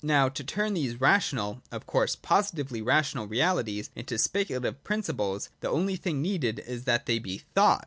Now, to turn these rational (of course positively rational) realities into speculative principles, the only thing needed is that they be thought.